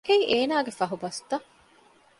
އެއީ އޭނާގެ ފަހުބަސްތައް